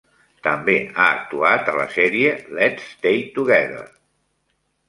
També ha actuat a la sèrie "Let's Stay Together".